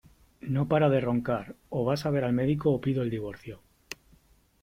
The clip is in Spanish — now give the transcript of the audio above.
No para de roncar: o vas a ver al médico o pido el divorcio.